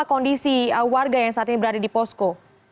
kondisi warga yang saat ini berada di posko